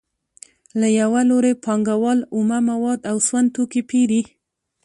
له یو لوري پانګوال اومه مواد او سون توکي پېري